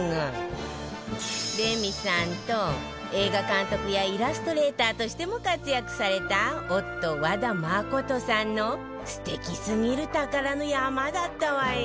レミさんと映画監督やイラストレーターとしても活躍された夫和田誠さんの素敵すぎる宝の山だったわよ